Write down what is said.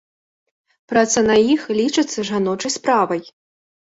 Праца на іх лічыцца жаночай справай.